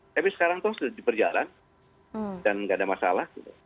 tapi sekarang itu sudah diperjalan dan tidak ada masalah